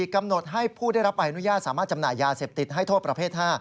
กำหนดให้ผู้ได้รับใบอนุญาตสามารถจำหน่ายยาเสพติดให้โทษประเภท๕